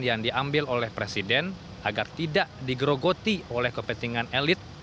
yang diambil oleh presiden agar tidak digerogoti oleh kepentingan elit